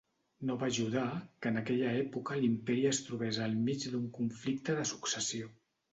No va ajudar que en aquella època l'imperi es trobés al mig d'un conflicte de successió.